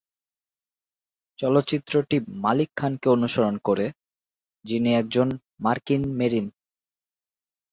চলচ্চিত্রটি মালিক খানকে অনুসরণ করে, যিনি একজন মার্কিন মেরিন।